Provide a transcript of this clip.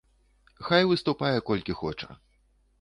Хай выступае колькі хоча.